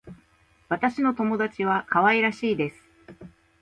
私の友達は可愛らしいです。